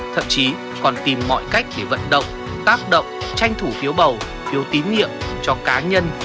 thậm chí còn tìm mọi cách để vận động tác động tranh thủ phiếu bầu phiếu tín nhiệm cho cá nhân